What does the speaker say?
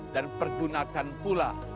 dan pergunakan pula